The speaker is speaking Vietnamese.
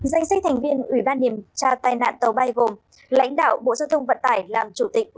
danh sách thành viên ủy ban kiểm tra tai nạn tàu bay gồm lãnh đạo bộ giao thông vận tải làm chủ tịch